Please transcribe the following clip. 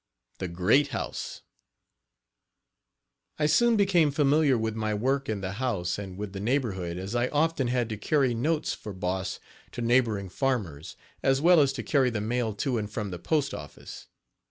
THE GREAT HOUSE. I soon became familiar with my work in the house and with the neighborhood, as I often had to carry notes for Boss to neighboring farmers, as well as to carry the mail to and from the postoffice.